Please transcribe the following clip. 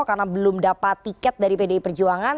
karena belum dapet tiket dari pdi perjuangan